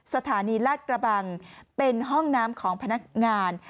สถานีลาดกระบังเป็นห้องน้ำของพนักงาน